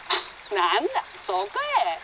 「何だそうかえ」。